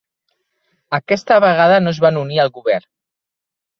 Aquesta vegada no es van unir al govern.